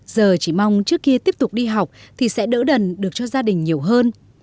giờ chỉ mong trước kia tiếp tục đi học thì sẽ đỡ đần được cho gia đình nhiều hơn